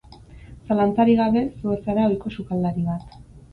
Zalantzarik gabe, zu ez zara ohiko sukaldari bat.